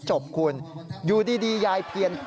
สายลูกไว้อย่าใส่